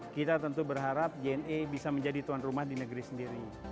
kita tentu berharap jna bisa menjadi tuan rumah di negeri sendiri